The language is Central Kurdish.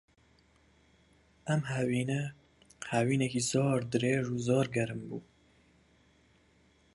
ئەم هاوینە، هاوینێکی زۆر درێژ و زۆر گەرم بوو.